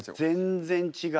全然違う。